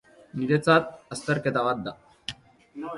Niretzat azterketa bat da.